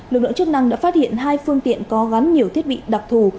lực lượng chức năng đã phát hiện hai phương tiện có gắn nhiều thiết bị đặc thù